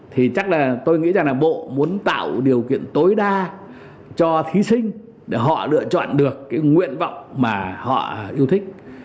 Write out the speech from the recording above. thì chắc là tôi nghĩ rằng là bộ muốn tạo điều kiện tối đa cho thí sinh để họ lựa chọn được cái nguyện vọng mà họ yêu thích